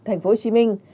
thành phố hồ chí minh